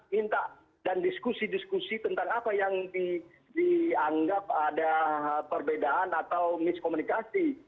minta dan diskusi diskusi tentang apa yang dianggap ada perbedaan atau miskomunikasi